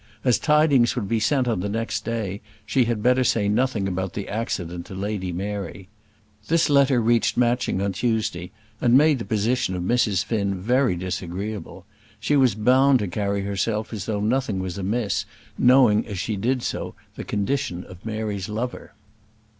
As tidings would be sent on the next day she had better say nothing about the accident to Lady Mary. This letter reached Matching on Tuesday and made the position of Mrs. Finn very disagreeable. She was bound to carry herself as though nothing was amiss, knowing, as she did so, the condition of Mary's lover.